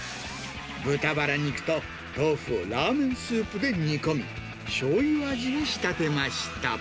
豚バラ肉と豆腐をラーメンスープで煮込み、しょうゆ味に仕立てました。